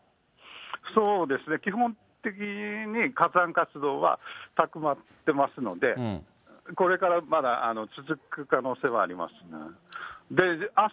そうですね、基本的に火山活動は高まってますので、これからまだ続く可能性はあります。